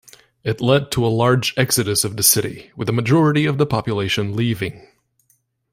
It led to a large exodus of the city, with a majority of the population leaving.